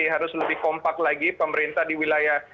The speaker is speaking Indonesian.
harus lebih kompak lagi pemerintah di wilayah